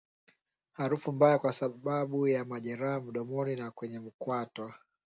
Harufu mbaya Kwa sababu ya majeraha mdomoni na kwenye kwato